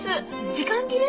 時間切れ？